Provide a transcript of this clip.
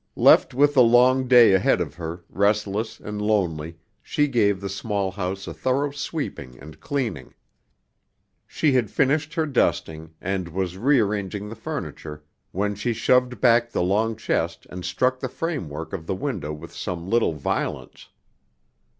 Left with the long day ahead of her, restless and lonely, she gave the small house a thorough sweeping and cleaning. She had finished her dusting, and was rearranging the furniture, when she shoved back the long chest and struck the framework of the window with some little violence.